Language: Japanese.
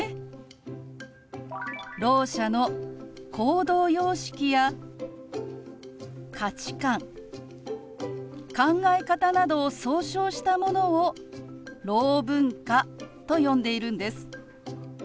ろう者の行動様式や価値観考え方などを総称したものをろう文化と呼んでいるんです。